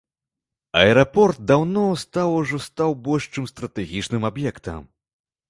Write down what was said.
Аэрапорт даўно стаў ужо стаў больш чым стратэгічным аб'ектам.